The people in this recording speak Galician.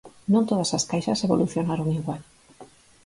Non todas as caixas evolucionaron igual.